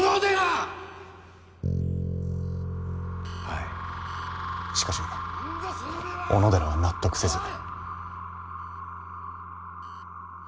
はいしかし小野寺は納得せず。